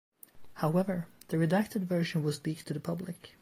However, the redacted version was leaked to the public.